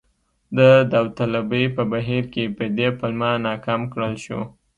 د داوطلبۍ په بهیر کې په دې پلمه ناکام کړل شو.